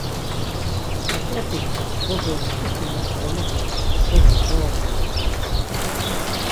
Aǩrep̌ik bozos ǩiti nuç̌ǩomu do bozo doğuru.